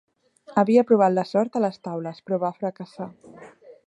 Havia provat la sort a les taules però va fracassar.